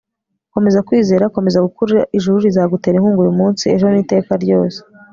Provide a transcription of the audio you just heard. komeza kwizera, komeza gukura ijuru rizagutera inkunga uyu munsi, ejo, n'iteka ryose